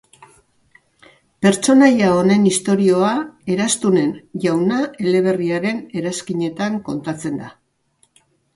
Pertsonaia honen istorioa, Eraztunen Jauna eleberriaren eranskinetan kontatzen da.